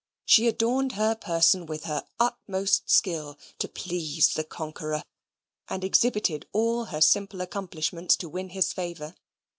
She adorned her person with her utmost skill to please the Conqueror, and exhibited all her simple accomplishments to win his favour.